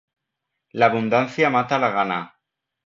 La abundancia mata la gana.